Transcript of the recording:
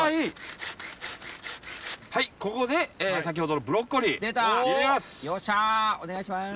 はいここで先ほどのブロッコリー入れます！